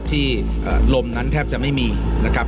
ที่ลมนั้นแทบจะไม่มีนะครับ